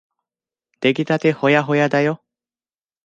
できたてほやほやだよ。